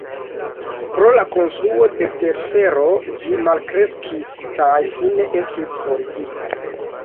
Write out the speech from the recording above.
Pro la konstruo de telfero ĝi malkreskis kaj fine estis forigita.